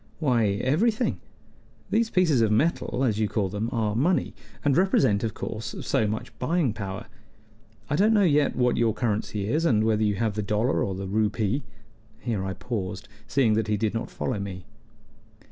"Why, everything. These pieces of metal, as you call them, are money, and represent, of course, so much buying power. I don't know yet what your currency is, and whether you have the dollar or the rupee" here I paused, seeing that he did not follow me.